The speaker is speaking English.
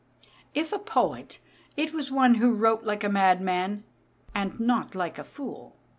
If a poet, it was one who wrote like a madman and not like a fool.